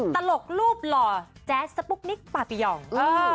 อืมตลกรูปหล่อแจ๊กสปุ๊บนิกปะปิหย่องเออ